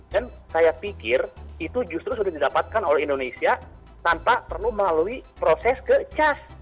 dan saya pikir itu justru sudah didapatkan oleh indonesia tanpa perlu melalui proses ke cas